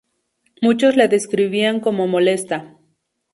Muchos la describían como molesta.